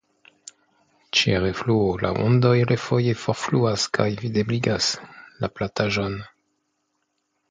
Ĉe refluo la ondoj refoje forfluas kaj videbligas „la plataĵon“.